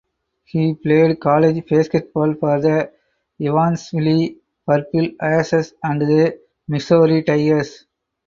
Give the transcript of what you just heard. He played college basketball for the Evansville Purple Aces and the Missouri Tigers.